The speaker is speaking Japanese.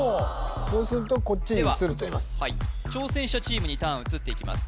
そうするとこっちに移るとでははい挑戦者チームにターン移っていきます